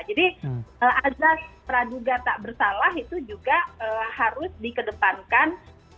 jadi ada traduga tak bersalah itu juga harus dikedepankan